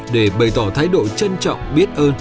để bày tỏ thái độ trân trọng biết ơn